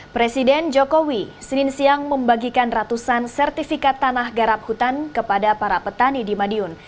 presiden jokowi senin siang membagikan ratusan sertifikat tanah garap hutan kepada para petani di madiun